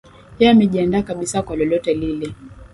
yeye amejiandaa kabisa kwa lolote lile